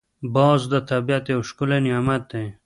باز د طبیعت یو ښکلی نعمت دی